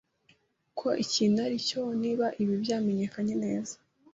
ko ikintu aricyo niba ibi byamenyekanye neza